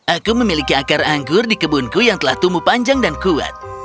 aku memiliki akar anggur di kebunku yang telah tumbuh panjang dan kuat